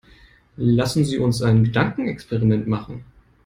Lassen Sie uns ein Gedankenexperiment machen.